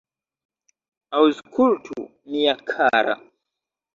Aŭskultu, mia kara!